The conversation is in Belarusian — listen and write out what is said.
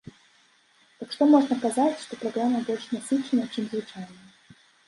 Так што можна казаць, што праграма больш насычана, чым звычайна.